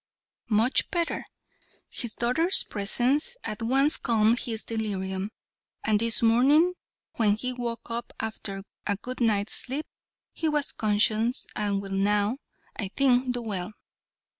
"Much better. His daughter's presence at once calmed his delirium, and this morning, when he woke after a good night's sleep, he was conscious, and will now, I think, do well.